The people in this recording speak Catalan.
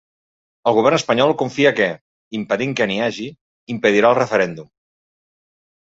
El govern espanyol confia que, impedint que n’hi hagi, impedirà el referèndum.